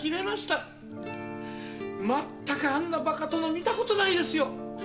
まったくあんなバカ殿見たことないですよ。